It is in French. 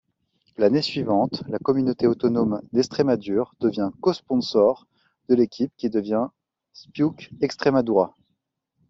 L'année suivante, la communauté autonome d'Estrémadure devient co-sponsor de l'équipe qui devient Spiuk-Extremadura.